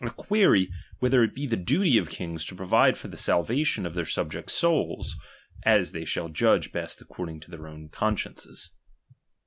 A query, whether it be the duty of kings to provide for the salvation of their sub jects' souts, as they shall judge best according to their own consciences.